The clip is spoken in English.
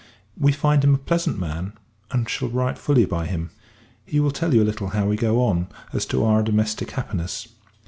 We find him a pleasant man; and shall write fully by him. He will tell you a little how we go on, as to our domestic happiness.